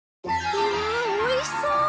うわあおいしそう！